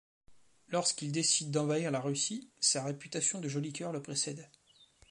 Lorsqu'il décide d'envahir la Russie, sa réputation de joli cœur le précède.